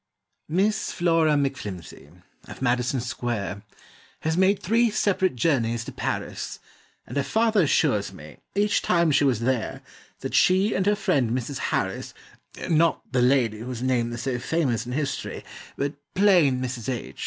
Miss Flora Mcflimsey, of Madison Square, Has made three separate journeys to Paris, And her father assures me, each time she was there, That she and her friend Mrs. Harris (Not the lady whose name is so famous in history, But plain Mrs. H.